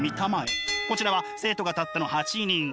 こちらは生徒がたったの８人。